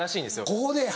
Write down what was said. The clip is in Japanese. ここでや。